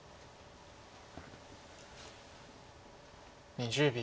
２０秒。